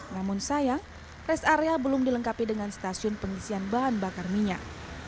namun sayang rest area belum dilengkapi dengan stasiun pengisian bahan bakar minyak